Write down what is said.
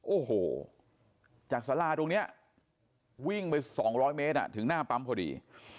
โอ้โหจากสาราตรงนี้วิ่งไป๒๐๐เมตรถึงหน้าปั๊มพอดี